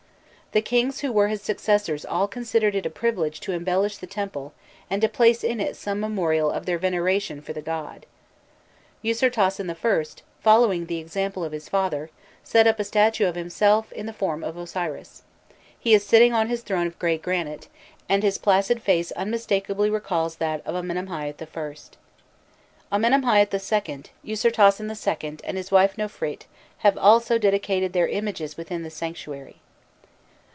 The kings who were his successors all considered it a privilege to embellish the temple and to place in it some memorial of their veneration for the god. Ûsirtasen I., following the example of his father, set up a statue of himself in the form of Osiris: he is sitting on his throne of grey granite, and his placid face unmistakably recalls that of Amenemhâît I. Amenemhâît II., Usirtasen II., and his wife Nofrît have also dedicated their images within the sanctuary.